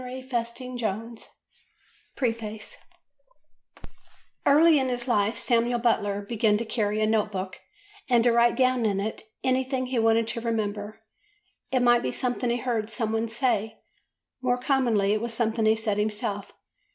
PRINTERS, PLYMOUTH Preface EARLY in his life Samuel Butler began to carry a note book and to write down in it anything he wanted to remember; it might be something he heard some one say, more commonly it was something he said himself.